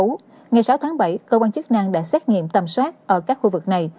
ngày sáu tháng bảy cơ quan chức năng đã xét nghiệm tầm soát ở các khu vực này